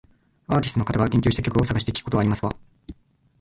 アーティストの方が言及した曲を探して聞くことはありますわ